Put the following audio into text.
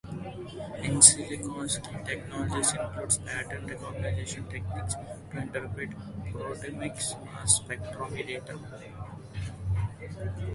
Insilicos' key technologies includes pattern recognition techniques to interpret proteomics mass spectrometry data.